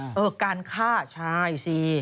แล้วก็การฆ่าใช่สิ